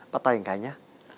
bắt tay một cái nhé